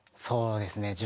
そうですね